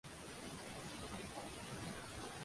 • Xudodan umid qilib, harakat qilmasang, och qolasan.